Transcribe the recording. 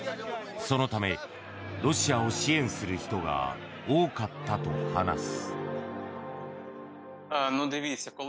そのためロシアを支援する人が多かったと話す。